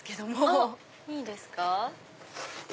あっいいですか。